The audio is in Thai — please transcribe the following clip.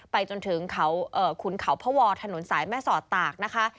ไปจนถึงเขาขุนเขาพระวอถนนสายแม่สอดตากนะคะ